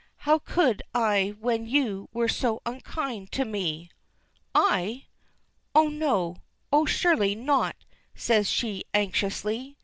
How could I when you were so unkind to me?" "I! Oh, no. Oh, surely not!" says she anxiously.